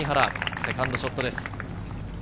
セカンドショットです。